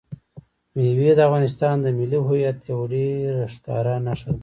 مېوې د افغانستان د ملي هویت یوه ډېره ښکاره نښه ده.